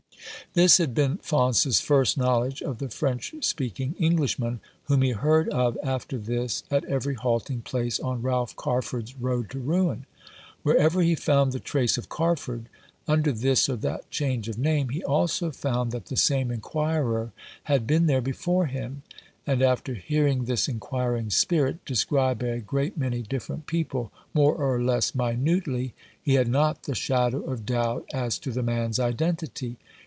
This had been Faunce's first knowledge of the French speaking Englishman, whom he heard of after this at every halting place on Ralph Carford's road to ruin. Wherever he found the trace of Carford — under this or that change of name — he also found that the same inquirer had been there before him ; and after hearing this inquiring spirit described by a great many different people — more or less minutely — he had not the shadow of doubt as to the man's identity.